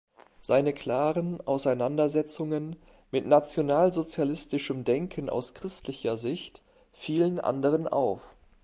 Seine klaren Auseinandersetzungen mit nationalsozialistischem Denken aus christlicher Sicht fielen anderen auf.